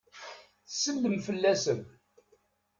Tsellem fell-asen.